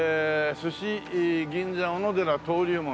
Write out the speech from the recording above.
「鮨銀座おのでら登龍門」